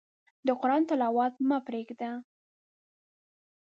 د قرآن تلاوت مه پرېږده.